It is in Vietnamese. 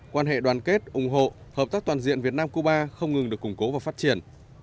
quan hệ đoàn kết ủng hộ hợp tác toàn diện việt nam cuba không ngừng được củng cố và phát triển